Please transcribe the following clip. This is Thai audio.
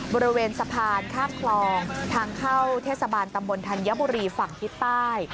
บริเวณสะพานข้ามคลองทางเข้าเทศบาลตำบลธัญบุรีฝั่งทิศใต้